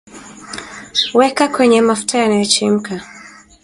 Weka kwenye mafuta yanayochemka